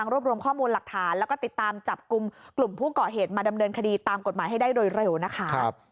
รวบรวมข้อมูลหลักฐานแล้วก็ติดตามจับกลุ่มกลุ่มผู้ก่อเหตุมาดำเนินคดีตามกฎหมายให้ได้โดยเร็วนะคะ